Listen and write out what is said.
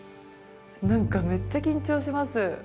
何かめっちゃ緊張します。